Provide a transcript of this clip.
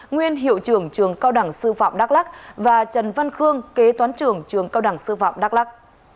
nguyên hiệu trưởng trường cao đẳng sư phạm đắk lắc và trần văn khương kế toán trưởng trường cao đẳng sư phạm đắk lắc